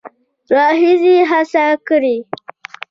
راهیسې هڅه کړې